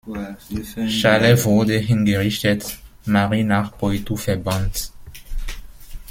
Chalais wurde hingerichtet, Marie nach Poitou verbannt.